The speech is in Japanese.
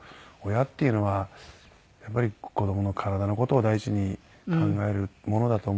親っていうのはやっぱり子供の体の事を第一に考えるものだと思いますね。